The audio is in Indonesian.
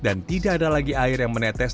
dan tidak ada lagi air yang menetes